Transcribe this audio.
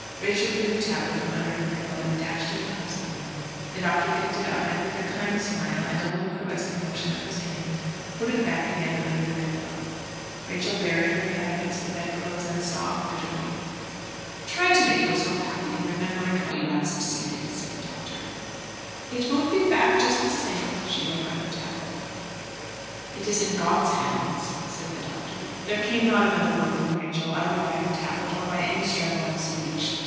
Rachel drew the tablet from under her pillow and dashed it across the room. The doctor picked it up, and, with a kind smile and a little caressing motion of his hand, put it again back under the pillow. Rachel buried her head amidst the bedclothes and sobbed bitterly. "Try to make yourself happy in remembering how you have succeeded," said the doctor. "It won't be back just the same," she wrote on her tablet. "It is in God's hands," said the doctor. There came not another word from Rachel, either by her tablet or by any struggle at speech.